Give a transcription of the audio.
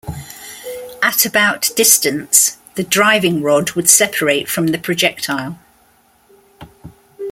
At about distance, the driving rod would separate from the projectile.